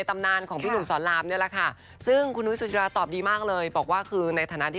ไม่มีค่ะไม่มี